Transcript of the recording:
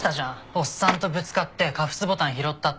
おっさんとぶつかってカフスボタン拾ったって。